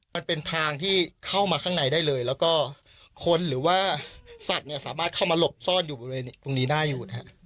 มันเป็นทางที่เข้ามาข้างในได้เลยแล้วก็คนหรือว่าสัตว์เนี่ยสามารถเข้ามาหลบซ่อนอยู่บริเวณตรงนี้ได้อยู่นะครับ